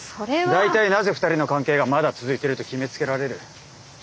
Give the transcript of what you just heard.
大体なぜ２人の関係がまだ続いてると決めつけられる。